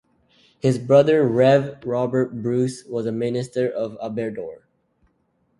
His brother Rev Robert Bruce was minister of Aberdour.